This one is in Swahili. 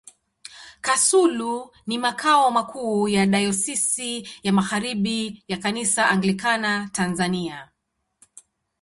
Kasulu ni makao makuu ya Dayosisi ya Magharibi ya Kanisa Anglikana Tanzania.